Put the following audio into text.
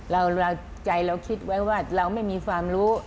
เราใจเราคิดไว้ว่าเราไม่มีความรู้